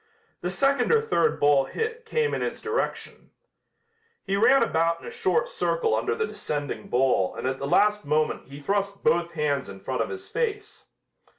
The second or third ball hit came in his direction. He ran about in a short circle under the descending ball and at the last moment he thrust both hands in front of his face.